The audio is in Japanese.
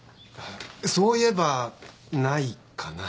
そういえばないかな。